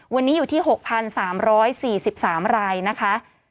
วันนี้อยู่ที่๖๓๔๓รายนะคะ